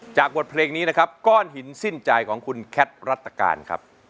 บทเพลงนี้นะครับก้อนหินสิ้นใจของคุณแคทรัตการครับ